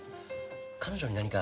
彼女に何か。